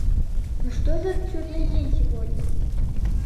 Но что за чудный день сегодня!